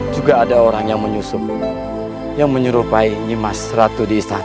juga ada orang yang menyusun yang menyerupai nyemas ratu di istana